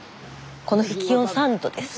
この日気温３度です。